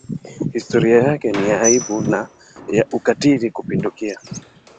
Historia yake ni ya aibu na ya ukatili kupindukia.